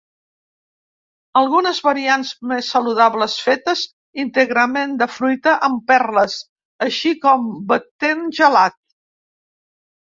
Algunes varietats més saludables fetes íntegrament de fruita amb perles, així com batent gelat.